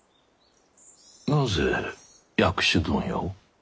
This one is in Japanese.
なぜ薬種問屋を？